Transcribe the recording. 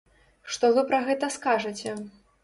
Што вы пра гэта скажаце?